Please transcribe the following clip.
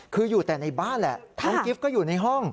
คืออยู่แต่ในบ้านแหละน้องกิฟต์ก็อยู่ในห้อง